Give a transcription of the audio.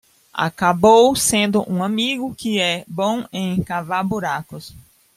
Acabou sendo um amigo que é bom em cavar buracos.